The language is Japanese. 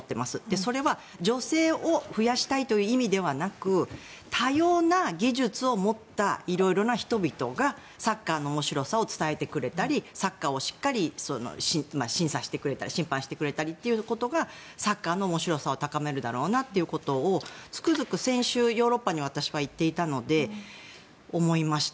それは女性を増やしたいという意味ではなく多様な技術を持った色々な人々がサッカーの面白さを伝えてくれたりサッカーをしっかり審判してくれたりということがサッカーの面白さを高めるだろうなということをつくづく先週ヨーロッパに私は行っていたので思いました。